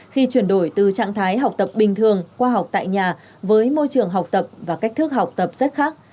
khi chuyển đổi từ trạng thái học tập bình thường khoa học tại nhà với môi trường học tập và cách thức học tập rất khác